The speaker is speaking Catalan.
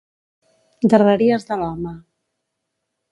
Darreries de l'home.